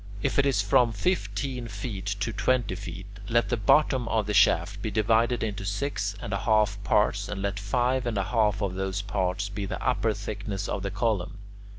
If it is from fifteen feet to twenty feet, let the bottom of the shaft be divided into six and a half parts, and let five and a half of those parts be the upper thickness of the column.